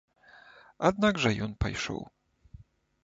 Аднак жа ён пайшоў.